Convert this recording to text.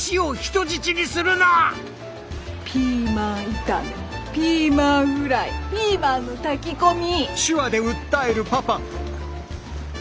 ピーマン炒めピーマンフライピーマンの炊き込み。